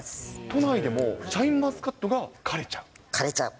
都内でもシャインマスカットが狩れちゃう？